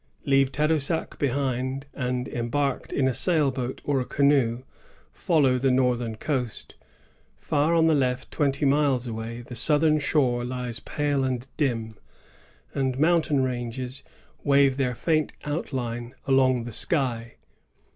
Leave Tadoussac behind, and, embarked in a sail boat or a canoe, foUow the northern coast. Far on the left, twenty miles away, the southern shore lies pale and dim, and mountain ranges wave their faint outline along the sky.